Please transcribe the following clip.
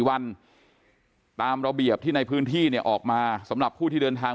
วันตามระเบียบที่ในพื้นที่เนี่ยออกมาสำหรับผู้ที่เดินทาง